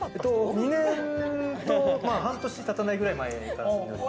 ２年と半年たたないくらい前から住んでます。